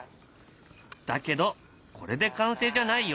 だけどこれで完成じゃないよ。